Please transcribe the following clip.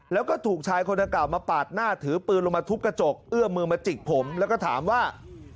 แล้วก็ถูกชายคนดังกล่าวมาปาดหน้าถือปืนลงมาทุบกระจกเอื้อมมือมาจิกผมแล้วก็ถามว่า